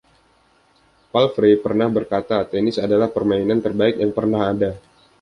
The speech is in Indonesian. Palfrey pernah berkata, Tenis adalah permainan terbaik yang pernah ada.